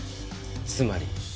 つまり。